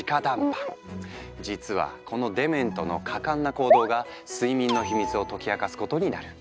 実はこのデメントの果敢な行動が睡眠のヒミツを解き明かすことになる。